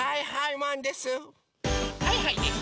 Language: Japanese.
はいはいマンです！